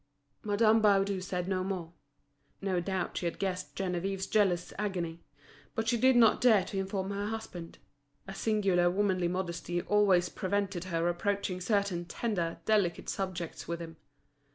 Madame Baudu said no more. No doubt she had guessed Geneviève's jealous agony; but she did not dare to inform her husband. A singular womanly modesty always prevented her approaching certain tender, delicate subjects with him.